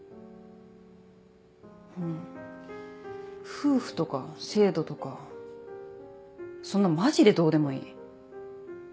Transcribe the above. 夫婦とか制度とかそんなんマジでどうでもいい。